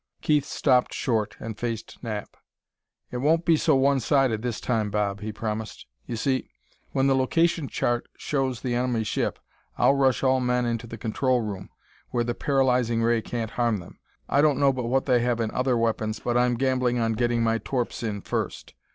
Keith stopped short and faced Knapp. "It won't be so one sided this time, Bob," he promised. "You see: when the location chart shows the enemy ship, I'll rush all men into the control room, where the paralyzing ray can't harm them. I don't know but what they have in other weapons, but I'm gambling on getting my torps in first.